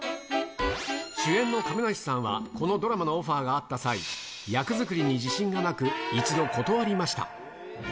主演の亀梨さんは、このドラマのオファーがあった際、役作りに自信がなく、一度断りました。